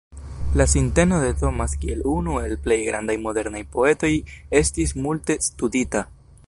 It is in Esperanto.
La sinteno de Thomas kiel unu el plej grandaj modernaj poetoj estis multe studita.